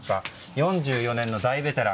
４４年の大ベテラン。